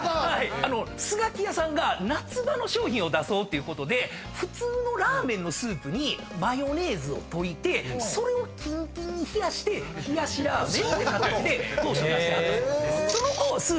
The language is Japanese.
スガキヤさんが夏場の商品を出そうっていうことで普通のラーメンのスープにマヨネーズを溶いてそれをきんきんに冷やして冷やしラーメンって形で当初出してはったそうです。